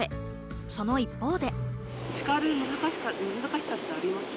その一方で。